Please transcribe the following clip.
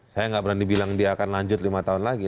saya nggak berani bilang dia akan lanjut lima tahun lagi